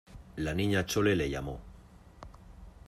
la Niña Chole le llamó: